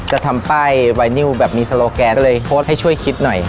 จะทำป้ายไวนิวแบบมีโซโลแกนก็เลยโพสต์ให้ช่วยคิดหน่อย